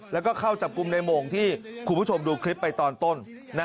แล้วก็เข้าจับกลุ่มในโมงที่คุณผู้ชมดูคลิปไปตอนต้น